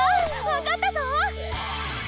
わかったぞ！